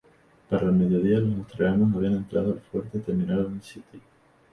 Para el mediodía, los australianos habían entrado al fuerte y terminaron el sitio.